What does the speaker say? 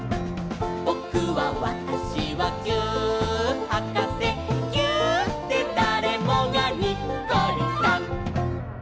「ぼくはわたしはぎゅーっはかせ」「ぎゅーっでだれもがにっこりさん！」